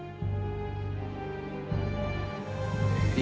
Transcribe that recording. aku akan sulit melepaskan kamu